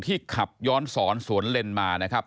ขับย้อนสอนสวนเลนมานะครับ